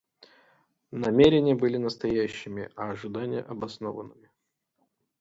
Намерения были настоящими, а ожидания обоснованными.